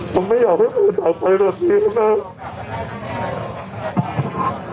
ผมไม่อยากให้คุณต่อไปแบบนี้ครับแม่